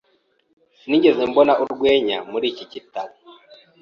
Sinigeze mbona urwenya muri iki gitabo.